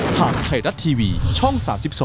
ทางไทยรัฐทีวีช่อง๓๒